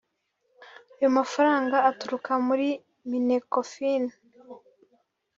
Ayo mafaranga aturuka muri (Minecofin)